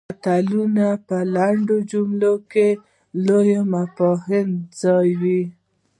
متلونه په لنډو جملو کې لوی مفاهیم ځایوي